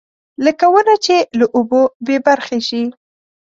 لکه ونه چې له اوبو بېبرخې شي.